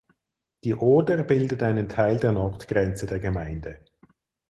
Die Oder bildet einen Teil der Nordgrenze der Gemeinde.